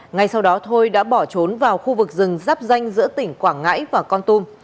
ngay sau đó thôi đã bỏ trốn vào khu vực rừng giáp danh giữa tỉnh quảng ngãi và con tum